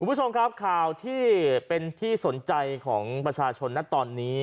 คุณผู้ชมครับข่าวที่เป็นที่สนใจของประชาชนนะตอนนี้